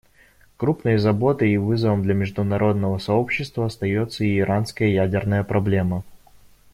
Крупной заботой и вызовом для международного сообщества остается и иранская ядерная проблема.